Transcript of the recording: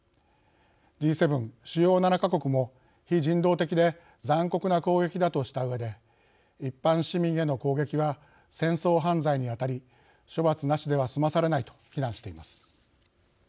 Ｇ７＝主要７か国も非人道的で残酷な攻撃だとしたうえで一般市民への攻撃は戦争犯罪に当たり処罰なしでは済まされないと非難しています。